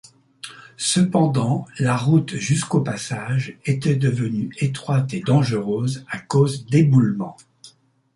Cependant, la route jusqu'au passage était devenue étroite et dangereuse à cause d'éboulements.